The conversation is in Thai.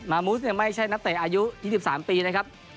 มามูธเนี่ยไม่ใช่นักเตะอายุ๒๓ปีนะครับ